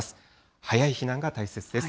早い避難が大切です。